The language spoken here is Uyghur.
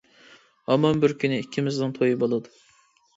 ھامان بىر كۈنى ئىككىمىزنىڭ تويى بولىدۇ.